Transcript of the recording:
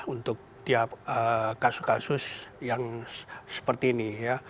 untuk tiap kasus kasus yang seperti ini ya